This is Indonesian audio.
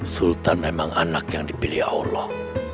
sultan memang anak yang dipilih allah